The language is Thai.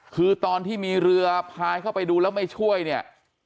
คือตอนที่มีเรือพายเข้าไปดูแล้วไม่ช่วยเนี่ย